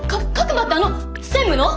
馬ってあの専務の！？